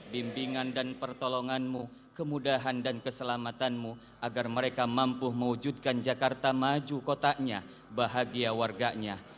bimbingan dan pertolonganmu kemudahan dan keselamatanmu agar mereka mampu mewujudkan jakarta maju kotaknya bahagia warganya